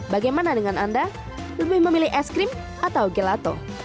bagaimana dengan anda lebih memilih es krim atau gelato